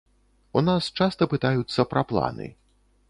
У нас часта пытаюцца пра планы.